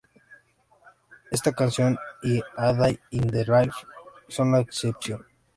Esta canción y "A Day in the Life" son la excepción.